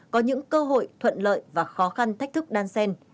có những cơ hội thuận lợi và khó khăn thách thức đan sen